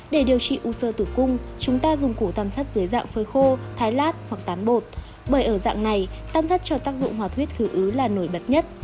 để điều trị u sơ tử cung chúng ta dùng củ tam thất dưới dạng phơi khô thái lát hoặc tán bột bởi ở dạng này tam thất cho tác dụng hòa thuyết khứ ứ là nổi bật nhất